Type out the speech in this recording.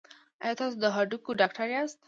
ایا تاسو د هډوکو ډاکټر یاست؟